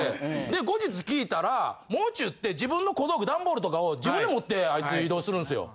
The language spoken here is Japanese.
で後日聞いたらもう中って自分の小道具段ボールとかを自分で持ってあいつ移動するんすよ。